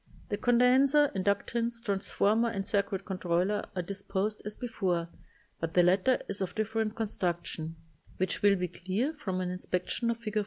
The condenser, inductance, trans former and circuit controller are disposed as before, but the latter is of different con struction, which will be clear from an inspection of Fig.